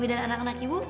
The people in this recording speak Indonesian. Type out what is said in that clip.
kami dan anak anak ibu